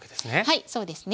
はいそうですね。